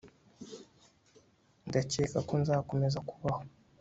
Ndakeka ko nzakomeza kubaho